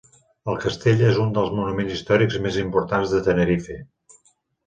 El castell és un dels monuments històrics més importants de Tenerife.